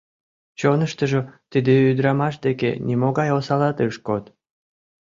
Чоныштыжо тиде ӱдрамаш деке нимогай осалат ыш код.